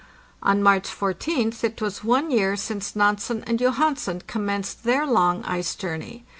On March 14th it was one year since Nansen and Johansen commenced their long ice journey.